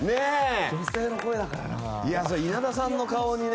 女性の声だからね。